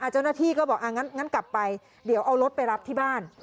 เจ้าหน้าที่ก็บอกงั้นกลับไปเดี๋ยวเอารถไปรับที่บ้าน